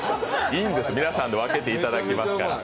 いいんです、皆さんで分けていただきますから。